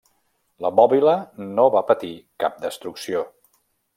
La bòbila no va patir cap destrucció.